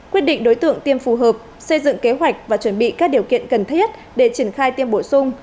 quyết định đối tượng tiêm phù hợp xây dựng kế hoạch và chuẩn bị các điều kiện cần thiết để triển khai tiêm bổ sung